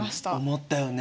思ったよね。